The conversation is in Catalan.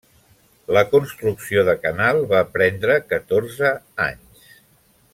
La construcció de canal va prendre catorze anys.